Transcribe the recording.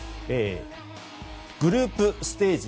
グループステージ